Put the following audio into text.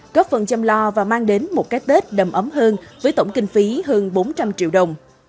góp phần chăm lo và mang đến một cái tết đầm ấm hơn với tổng kinh phí hơn bốn trăm linh triệu đồng